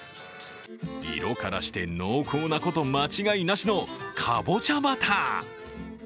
色からして濃厚なこと間違いなしのかぼちゃバター。